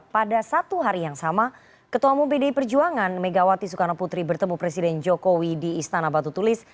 pada satu hari yang sama ketua umum pdi perjuangan megawati soekarno putri bertemu presiden jokowi di istana batu tulis